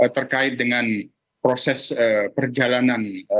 terkait dengan proses perjalanan